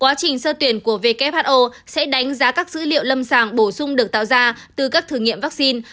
quá trình sơ tuyển của who sẽ đánh giá các dữ liệu lâm sàng bổ sung được tạo ra từ các thử nghiệm vaccine